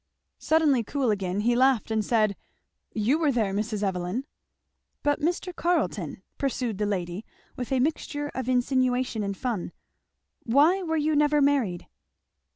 Suddenly cool again, he laughed and said, "You were there, Mrs. Evelyn." "But Mr. Carleton, " pursued the lady with a mixture of insinuation and fun, "why were you never married?"